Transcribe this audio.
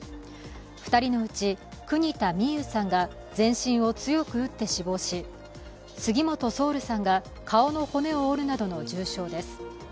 ２人のうち、国田美佑さんが全身を強く打って死亡し、杉本蒼瑠さんが顔の骨を折るなどの重傷です。